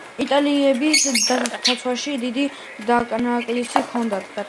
იტალიელებს დაცვაში დიდი დანაკლისი ჰქონდათ.